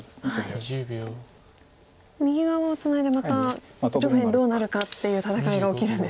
右側をツナいでまた上辺どうなるかっていう戦いが起きるんですね。